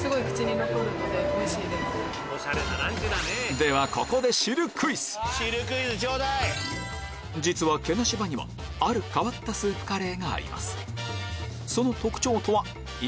ではここで実はＫＥＮＡＳＨＩＢＡにはある変わったスープカレーがあります